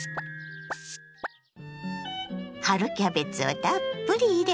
春キャベツをたっぷり入れ